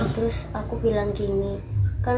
dia bilang kemari rani jangan bolos lagi